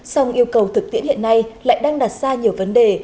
song yêu cầu thực tiễn hiện nay lại đang đặt ra nhiều vấn đề